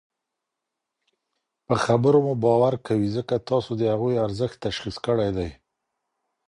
په خبرو مو باور کوي؛ ځکه تاسو د هغوی ارزښت تشخيص کړی دی